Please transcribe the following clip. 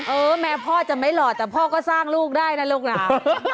เออแม้พ่อจะไม่หล่อแต่พ่อก็สร้างลูกได้นะลูกนะ